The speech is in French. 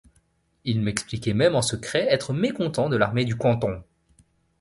Il m'expliquait même en secret être mécontent de l'armée du Guandong.